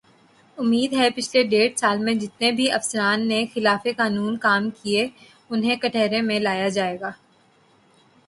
امید ہے پچھلے ڈیڑھ سال میں جتنے بھی افسران نے خلاف قانون کام کیے انہیں کٹہرے میں لایا جائے گا